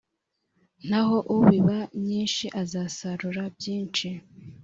naho ubiba nyinshi azasarura byinshi